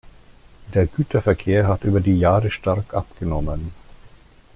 Der Güterverkehr hat über die Jahre stark abgenommen.